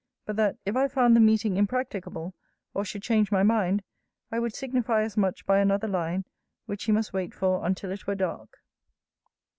But that, if I found the meeting impracticable, or should change my mind, I would signify as much by another line; which he must wait for until it were dark.'